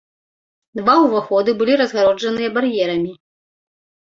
Два ўваходы былі разгароджаныя бар'ерамі.